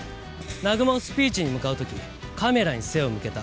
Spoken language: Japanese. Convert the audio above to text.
南雲はスピーチに向かう時カメラに背を向けた。